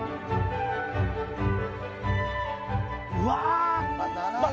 うわ！